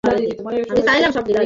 তিনি বহন করতে পারবেন না।